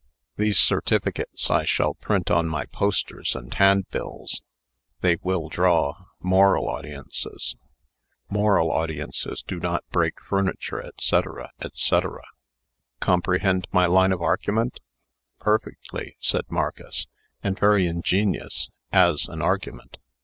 These certificates I shall print on my posters and handbills. They will draw moral audiences. Moral audiences do not break furniture, &c., &c. Comprehend my line of argument?" "Perfectly," said Marcus; "and very ingenious, as an argument."